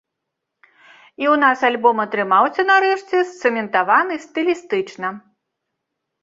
І ў нас альбом атрымаўся нарэшце сцэментаваны стылістычна.